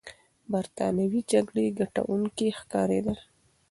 برتانويان د جګړې ګټونکي ښکارېدل.